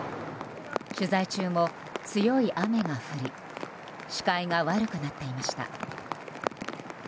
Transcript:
取材中も、強い雨が降り視界が悪くなっていました。